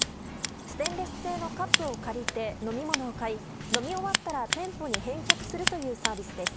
ステンレス製のカップを借りて飲み物を買い、飲み終わったら店舗に返却するというサービスです。